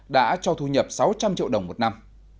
đã cho thu nhập sáu trăm linh triệu đồng một năm